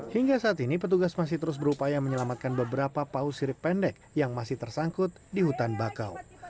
hingga saat ini petugas masih terus berupaya menyelamatkan beberapa paus sirip pendek yang masih tersangkut di hutan bakau